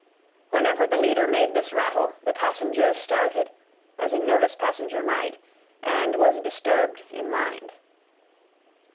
Whenever the leader made this rattle, the passenger started, as a nervous passenger might, and was disturbed in mind.